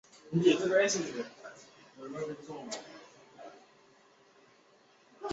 夜叉是日本将棋的棋子之一。